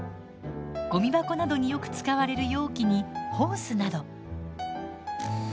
ゴミ箱などによく使われる容器にホースなど。